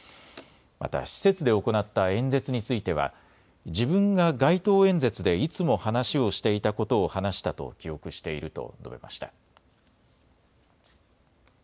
また施設で行った演説については自分が街頭演説でいつも話をしていたことを話したと記憶していると述べました。